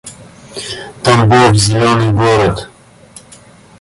Тамбов — зелёный город